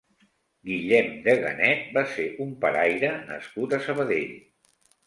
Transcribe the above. Guillem Deganet va ser un paraire nascut a Sabadell.